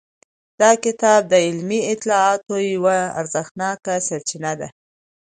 دا کتاب د علمي اطلاعاتو یوه ارزښتناکه سرچینه ده.